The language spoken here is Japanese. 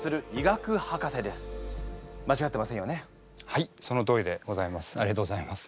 はいそのとおりでございます。